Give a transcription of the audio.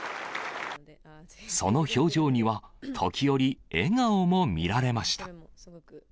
その表情には、時折、笑顔も見られました。